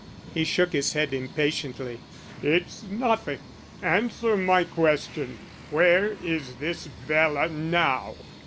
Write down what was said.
He shook his head impatiently. "It's nothing. Answer my question. Where is this Bela now?"